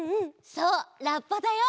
そうラッパだよ！